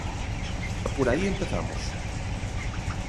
Por aí empezamos.